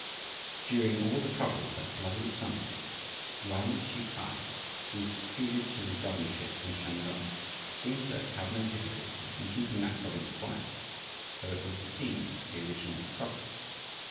During all the trouble of that bloody summer, Yuan Shi K'ai, who succeeded to the governorship in Shantung, seemed to have no difficulty in keeping that province quiet, though it was the scene of the original trouble.